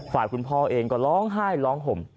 ฝ่ายคุณพ่อเองก็ร้องไห้ร้องห่ม